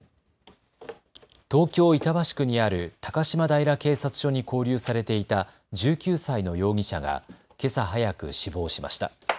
東京板橋区にある高島平警察署に勾留されていた１９歳の容疑者がけさ早く死亡しました。